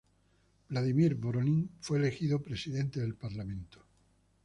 Vladimir Voronin fue elegido presidente del Parlamento.